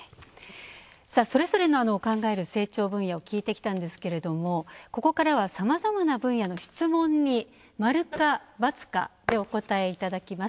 それぞれに考える成長分野を聞いてきたんですけどもここからは、さまざまな分野の質問に○か×かでお答えいただきます。